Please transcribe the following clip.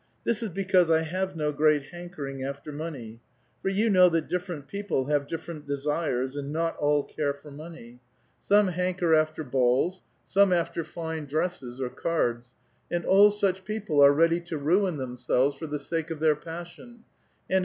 This is because I have no great hankering aflter money, for you know that different people have different desires, and not all care for money ; some hanker after ^ A VITAL QUESTION. 175 balls ; some after fine dresses, or cards, aud all such people are ready to ruin themselves for the sake of their passion, and a.